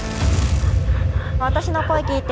私の声聞いて。